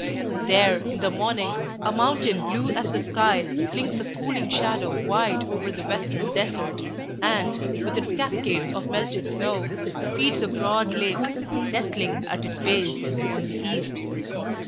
There, in the morning, a mountain blue as the sky flings a cooling shadow wide over the western desert, and, with its cascades of melted snow, feeds a broad lake nestling at its base on the east.